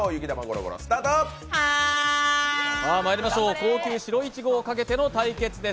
高級白いちごをかけての対決です。